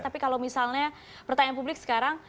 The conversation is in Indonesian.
tapi kalau misalnya pertanyaan publik sekarang